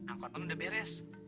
angkotnya udah beres